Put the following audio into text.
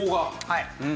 はい。